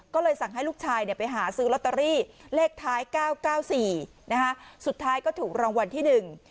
ก็เลยสั่งให้ลูกชายไปหาซื้อลัตตอรี่เลขท้าย๙๙๔สุดท้ายก็ถูกรองวัลที่หนึ่ง